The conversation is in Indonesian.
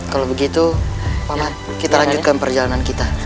kalau begitu pak ahmad kita lanjutkan perjalanan kita